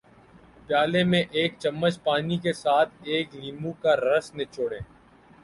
پیالے میں ایک چمچ پانی کے ساتھ ایک لیموں کا رس نچوڑیں